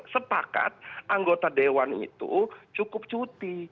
sepakat anggota dewan itu cukup cuti